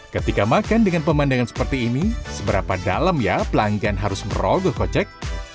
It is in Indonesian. ketika makan dengan pemandangan seperti ini seberapa dalam ya pelanggan harus merogoh kocek